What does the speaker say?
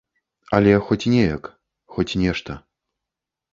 Але хоць неяк, хоць нешта.